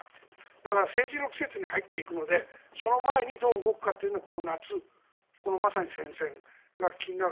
だから、政治の季節に入っていくのでその前にどう動くかというのでこの夏、まさに戦線が気になる。